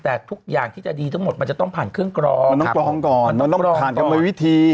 แต่ทุกอย่างที่จะดีทั้งหมดมันจะต้องผ่านเครื่องกรองมันต้องกรองก่อนมันต้องผ่านกรรมวิธี